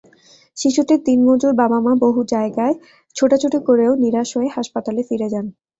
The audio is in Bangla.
শিশুটির দিনমজুর বাবা-মা বহু জায়গায় ছোটাছুটি করেও নিরাশ হয়ে হাসপাতালে ফিরে যান।